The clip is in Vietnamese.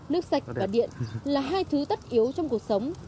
nước sạch và điện là hai thứ tất yếu trong cuộc sống